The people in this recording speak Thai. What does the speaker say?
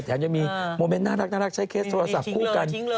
แถมยังมีโมเมนต์น่ารักใช้เคสโทรศัพท์คู่กัน